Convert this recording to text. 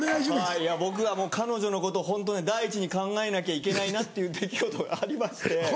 はい僕はもう彼女のことを第一に考えなきゃいけないなっていう出来事がありまして。